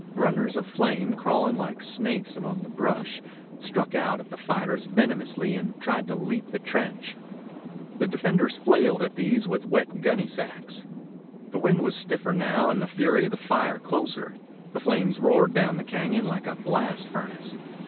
Runners of flame, crawling like snakes among the brush, struck out at the fighters venomously and tried to leap the trench. The defenders flailed at these with the wet gunnysacks. The wind was stiffer now and the fury of the fire closer. The flames roared down the cañon like a blast furnace.